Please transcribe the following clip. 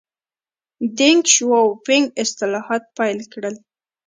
ډینګ شیاؤ پینګ اصلاحات پیل کړل.